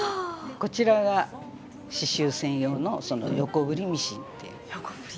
こちらが刺繍専用の横振りミシンっていう。